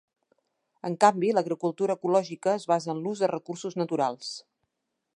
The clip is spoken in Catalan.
En canvi, l'agricultura ecològica es basa en l'ús de recursos naturals.